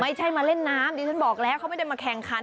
ไม่ใช่มาเล่นน้ำดิฉันบอกแล้วเขาไม่ได้มาแข่งขัน